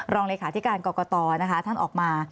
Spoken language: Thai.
รองเลขาธิการกรกตนะคะท่านออกมา